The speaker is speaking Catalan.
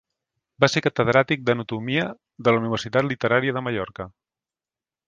Va ser catedràtic d'anatomia de la Universitat Literària de Mallorca.